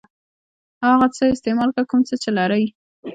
هماغه څه استعمال کړه کوم څه چې لرئ.